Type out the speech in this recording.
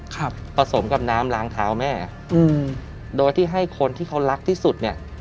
ครับผสมกับน้ำล้างเท้าแม่อืมโดยที่ให้คนที่เขารักที่สุดเนี้ย